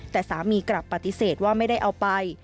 แต่สามีกลับปฏิเสธว่าไม่ได้เอาไป